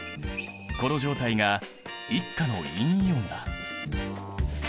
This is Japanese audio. この状態が１価の陰イオンだ。